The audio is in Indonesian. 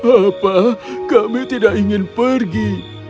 apa kami tidak ingin pergi